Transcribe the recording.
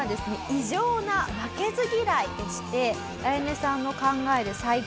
異常な負けず嫌いでしてアヤネさんの考えで最強。